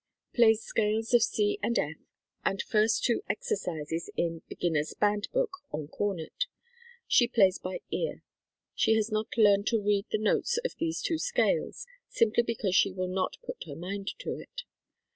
Plays scales of C and F and first two exercises in "Beginners' Band Book" on cornet. She plays by ear. She has not learned to read the notes of these two scales, simply because she will not put her mind to it.